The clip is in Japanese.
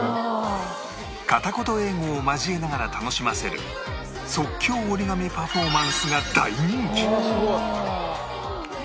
カタコト英語を交えながら楽しませる即興折り紙パフォーマンスが大人気！